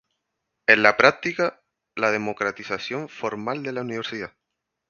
En la práctica, la democratización formal de la universidad.